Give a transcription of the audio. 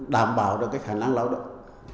đảm bảo được cái khả năng lao động